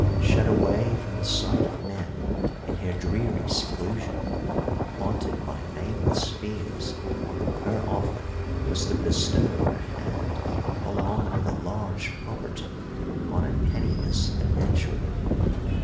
Shut away from the sight of men in her dreary seclusion, haunted by nameless fears, her offer was to bestow her hand along with a large property on a penniless adventurer.